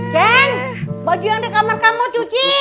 ken baju yang di kamar kamu cuci